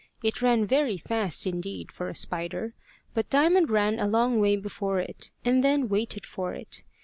It ran very fast indeed for a spider, but Diamond ran a long way before it, and then waited for it.